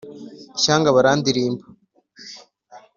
Ishyanga barandirimba